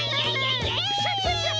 クシャシャシャ！